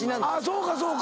そうかそうか。